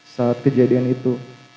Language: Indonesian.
saat kejadian itu